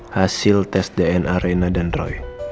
hasil tes dna dan roy